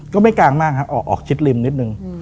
ก็ไม่กลางมากครับออกชิดริมนิดนึง